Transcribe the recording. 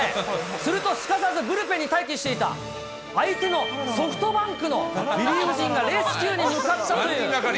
するとすかさずブルペンに待機していた相手のソフトバンクのリリーフ陣がレスキューに向かったという。